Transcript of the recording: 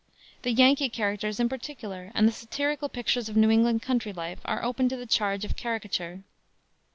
The Yankee characters, in particular, and the satirical pictures of New England country life are open to the charge of caricature.